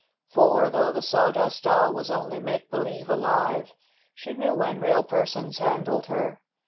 For, though the Sawdust Doll was only make believe alive, she knew when real persons handled her.